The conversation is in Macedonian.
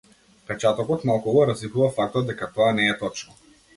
Впечатокот малку го расипува фактот дека тоа не е точно.